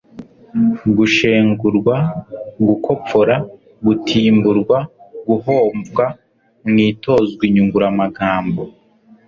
gushengurwa, gukopfora, gutimburwa, guhomvwa.mwitozw'inyunguramagambo